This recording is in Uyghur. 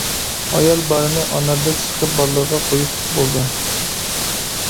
ئايال بارىنى ئاناردەك سىقىپ باللىرىغا قۇيۇپ بولدى.